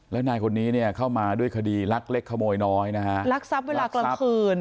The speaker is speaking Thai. แล้วนายคนนี้เนี่ยเข้ามาด้วยคดีลักเล็กขโมยน้อยนะฮะลักทรัพย์เวลากลางคืน